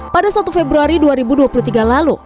pada satu februari dua ribu dua puluh tiga lalu